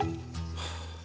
はあ。